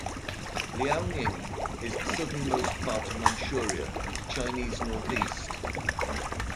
Liaoning is the southernmost part of Manchuria, the Chinese Northeast.